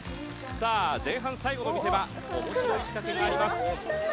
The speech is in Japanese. さあ前半最後の見せ場おもしろい仕掛けがあります。